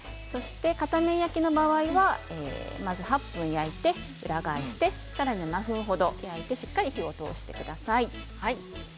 片面焼きの場合はまず８分焼いて、裏返してさらに７分程、焼いてしっかり火を通してください。